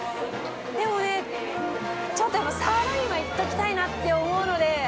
でもね、ちょっと今、サーロインはいっときたいなと思うので。